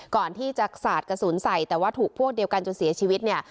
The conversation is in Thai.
ก่อนที่จะสาดกระสุนใส่แต่ว่าถูกพวกเดียวกันจนเสียชีวิตเนี่ย